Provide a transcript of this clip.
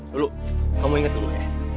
luluh kamu inget dulu ya